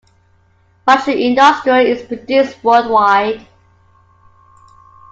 Martial industrial is produced world-wide.